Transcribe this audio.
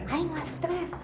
ayah gak stres